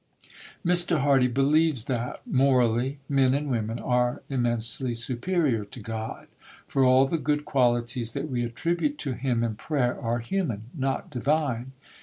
Mr. Hardy believes that, morally, men and women are immensely superior to God; for all the good qualities that we attribute to Him in prayer are human, not divine.